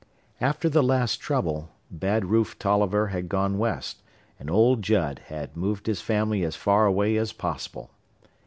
After the last trouble, Bad Rufe Tolliver had gone West and old Judd had moved his family as far away as possible.